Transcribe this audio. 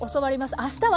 あしたは？